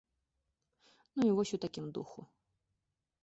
Ну і вось у такім духу.